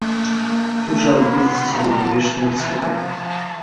Тут жа адбудзецца сярэднявечная дыскатэка.